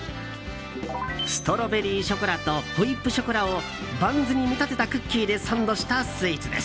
ストロベリーショコラとホイップショコラをバンズに見立てたクッキーでサンドしたスイーツです。